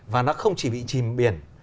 và nó không chỉ bị chìm biển